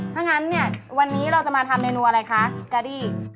ถ้างั้นเนี่ยวันนี้เราจะมาทำเมนูอะไรคะกะดี้